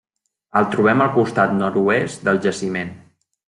El trobem al costat nord-oest del jaciment.